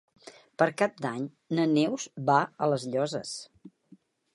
Per Cap d'Any na Neus va a les Llosses.